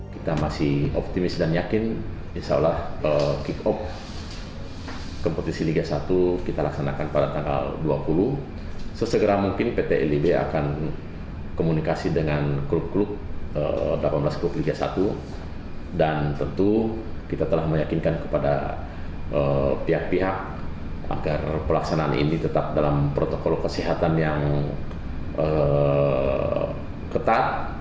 kita ingin memilih daerah zona hijau agar pelaksanaan ini tetap dalam protokol kesehatan yang ketat